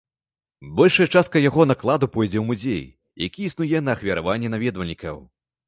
Большая частка яго накладу пойдзе ў музей, які існуе на ахвяраванні наведвальнікаў.